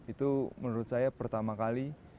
itu menurut saya pertama kali